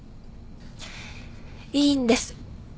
いいんです。